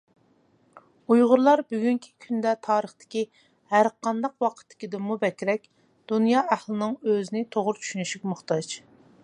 ئۇيغۇرلار بۈگۈنكى كۈندە تارىختىكى ھەرقانداق ۋاقىتتىكىدىنمۇ بەكرەك دۇنيا ئەھلىنىڭ ئۆزنى توغرا چۈشىنىشىگە موھتاج.